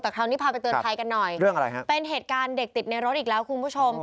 แต่คราวนี้พาไปเตือนไทยกันหน่อยเป็นเหตุการณ์เด็กติดในรถอีกแล้วคุณผู้ชมครับ